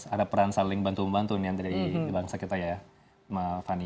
ada peran saling bantu bantu nih andri di bangsa kita ya